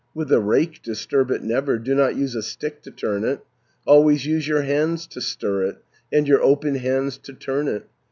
400 With the rake disturb it never, Do not use a stick to turn it, Always use your hands to stir it, And your open hands to turn it.